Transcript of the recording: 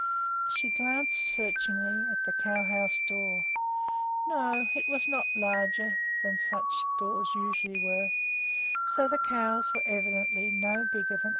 She glanced searchingly at the cow house door. No, it was not larger than such doors usually were, so the cows were evidently no bigger than other cows.